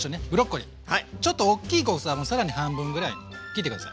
ちょっと大きい小房は更に半分ぐらいに切って下さい。